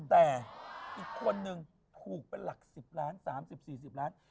แต่อีกคนนึงถูกเป็นหลัก๑๐ล้าน๓๐๔๐ล้าน